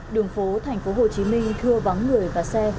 đường phố thành phố hồ chí minh thưa vắng người và xe